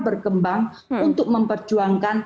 berkembang untuk memperjuangkan